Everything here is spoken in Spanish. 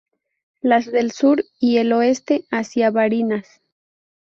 Las del sur y el oeste hacia Barinas.